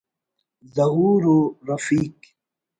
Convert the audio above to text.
ظہور و رفیق